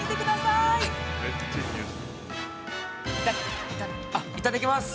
◆いただきます！